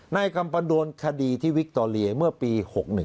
ในกำบันโดรณีคดีที่วิกตอเรียเมื่อปี๖๑